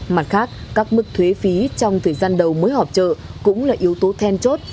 mặt khác các mức thuế phí trong thời gian đầu mới họp trợ cũng là yếu tố then chốt